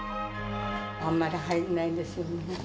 あんまり入んないんですよね。